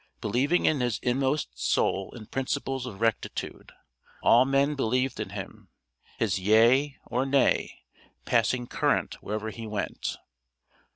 Believing in his inmost soul in principles of rectitude, all men believed in him, his "yea," or "nay," passing current wherever he went.